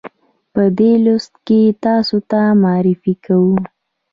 په دې لوست کې یې تاسې ته معرفي کوو.